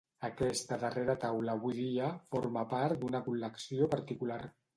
Aquesta darrera taula avui dia forma part d'una col·lecció particular.